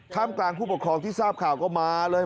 กลางผู้ปกครองที่ทราบข่าวก็มาเลย